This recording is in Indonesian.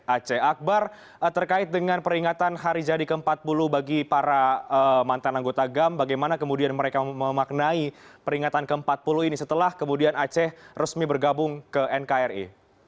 aceh akbar terkait dengan peringatan hari jadi ke empat puluh bagi para mantan anggota gam bagaimana kemudian mereka memaknai peringatan ke empat puluh ini setelah kemudian aceh resmi bergabung ke nkri